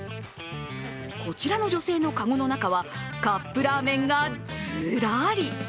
こちらの女性の籠の中はカップラーメンがずらり。